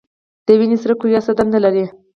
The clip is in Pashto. د وینې سره کرویات څه دنده لري؟